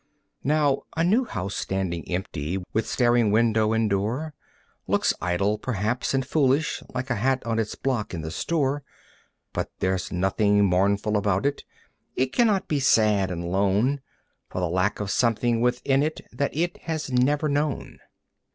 Now, a new house standing empty, with staring window and door, Looks idle, perhaps, and foolish, like a hat on its block in the store. But there's nothing mournful about it; it cannot be sad and lone For the lack of something within it that it has never known.